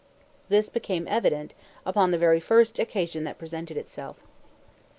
This became very evident upon the first occasion that presented itself.